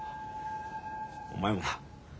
お前もな。